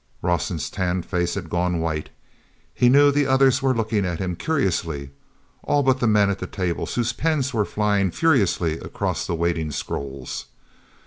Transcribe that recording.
Rawson's tanned face had gone white; he knew the others were looking at him curiously, all but the men at the tables whose pens were flying furiously across the waiting scrolls.